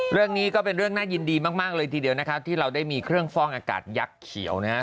เรื่องนี้ก็เป็นเรื่องน่ายินดีมากเลยทีเดียวนะครับที่เราได้มีเครื่องฟ่องอากาศยักษ์เขียวนะฮะ